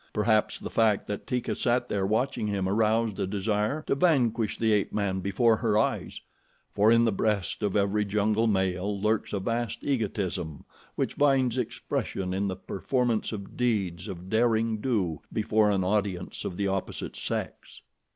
Perhaps the fact that Teeka sat there watching him aroused a desire to vanquish the ape man before her eyes, for in the breast of every jungle male lurks a vast egotism which finds expression in the performance of deeds of derring do before an audience of the opposite sex.